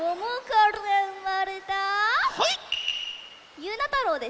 ゆうなたろうです。